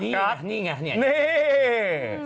นี่ไงนี่ไงนี่